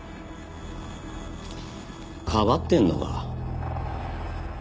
かばってんのか？